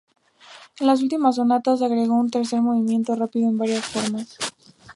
En sus últimas sonatas agregó un tercer movimiento rápido en varias formas.